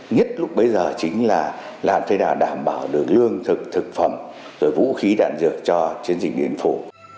nhất lúc bây giờ chính là làm thế nào đảm bảo được lương thực thực phẩm rồi vũ khí đạn dược cho chiến dịch điện biên phủ